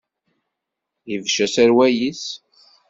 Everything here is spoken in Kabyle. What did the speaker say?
Ibecc aserwal-is.